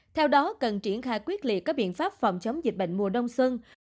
theo đó cần triển khai quyết liệt các biện pháp phòng chống dịch bệnh mùa đông xuân